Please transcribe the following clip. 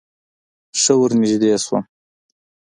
ښه ورنژدې سوم.